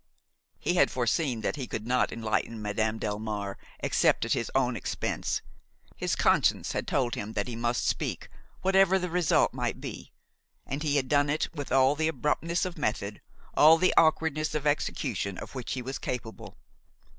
He had foreseen that he could not enlighten Madame Delmare except at his own expense. His conscience had told him that he must speak, whatever the result might be, and he had done it with all the abruptness of method, all the awkwardness of execution of which he was capable.